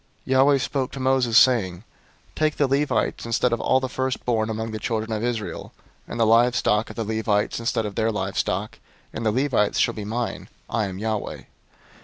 003:044 Yahweh spoke to Moses, saying, 003:045 "Take the Levites instead of all the firstborn among the children of Israel, and the livestock of the Levites instead of their livestock; and the Levites shall be mine. I am Yahweh.